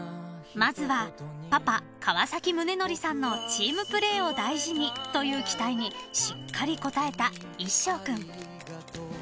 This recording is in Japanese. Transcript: ［まずはパパ川宗則さんのチームプレーを大事にという期待にしっかり応えたいっしょう君］